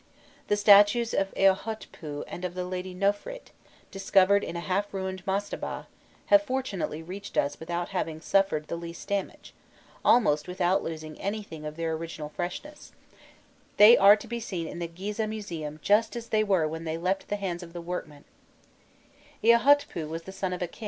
The statues of Eâhotpû and of the lady Nofrît, discovered in a half ruined mastaba, have fortunately reached us without having suffered the least damage, almost without losing anything of their original freshness; they are to be seen in the Gîzeh Museum just as they were when they left the hands of the workman.